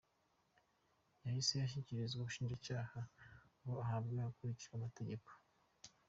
Yahise ashyikirizwa ubushinjacyaha ngo ahanwe hakurikijwe amategeko.